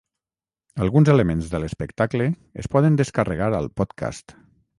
Alguns elements de l'espectacle es poden descarregar al podcast.